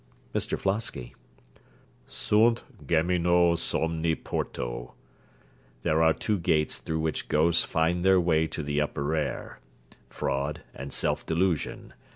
MR FLOSKY Sunt geminoe somni portoe. There are two gates through which ghosts find their way to the upper air: fraud and self delusion.